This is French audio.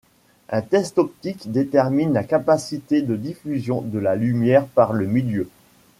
Un test optique détermine la capacité de diffusion de la lumière par le milieu.